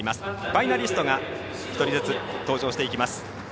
ファイナリストが１人ずつ登場していきます。